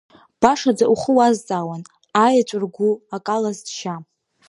Башаӡа ухы уазҵаауан, аеҵә ргәы ак алаз џьшьа.